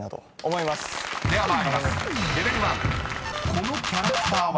［このキャラクターは？］